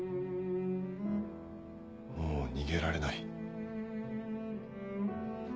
もう逃げられない。